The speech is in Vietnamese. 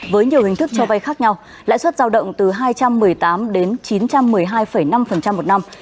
với nhiều hình thức cho vay khác nhau lãi suất giao động từ hai trăm một mươi tám đến chín trăm một mươi hai năm một năm